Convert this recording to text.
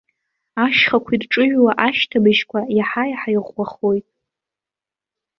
Ашьхақәа ирҿыҩуа ашьҭыбжьқәа иаҳа-иаҳа иӷәӷәахоит.